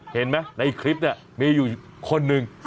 เห็นไหมในคลิปเนี่ยมีอยู่คนหนึ่ง